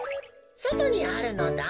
そとにあるのだ。